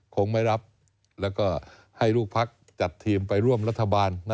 คงไม่รับแล้วก็ให้ลูกพักจัดทีมไปร่วมรัฐบาล